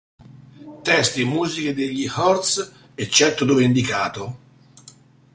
Testi e musiche degli Hurts, eccetto dove indicato.